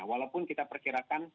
walaupun kita perkirakan dari